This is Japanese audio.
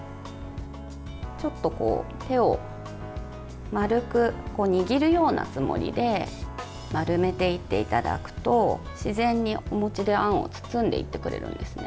ちょっと手を丸く握るようなつもりで丸めていっていただくと自然にお餅であんを包んでいってくれるんですね。